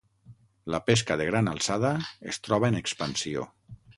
La pesca de gran alçada, es troba en expansió.